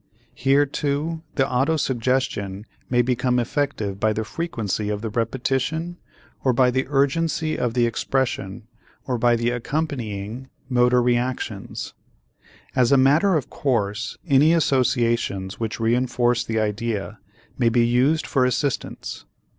Here, too, the autosuggestion may become effective by the frequency of the repetition or by the urgency of the expression or by the accompanying motor reactions. As a matter of course any associations which reënforce the idea may be used for assistance.